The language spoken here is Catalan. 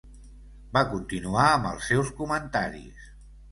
Va continuar amb els seus comentaris.